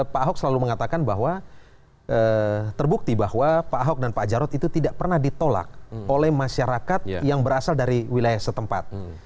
pak ahok selalu mengatakan bahwa terbukti bahwa pak ahok dan pak jarod itu tidak pernah ditolak oleh masyarakat yang berasal dari wilayah setempat